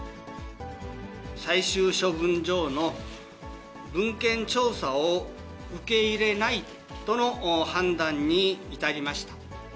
最終処分場の文献調査を受け入れないとの判断に至りました。